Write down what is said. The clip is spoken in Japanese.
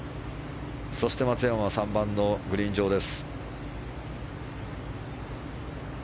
そして松山は３番のグリーン上です。